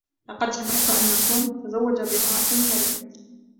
لقد سمعت أن توم تزوج بامرأة ثرية